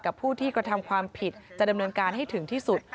ผู้ที่กระทำความผิดจะดำเนินการให้ถึงที่สุด